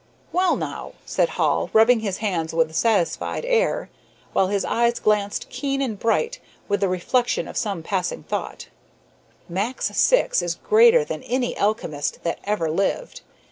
"Well, now," said Hall, rubbing his hands with a satisfied air, while his eyes glanced keen and bright with the reflection of some passing thought, "Max Syx is greater than any alchemist that ever lived.